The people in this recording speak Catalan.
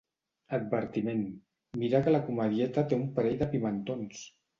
Advertiment: 'Mira que la comedieta té un parell de pimentons!'